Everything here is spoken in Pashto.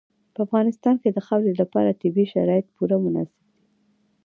په افغانستان کې د خاورې لپاره طبیعي شرایط پوره مناسب دي.